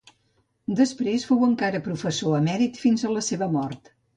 Després fou encara professor emèrit fins a la seva mort.